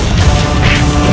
aku harus menolongnya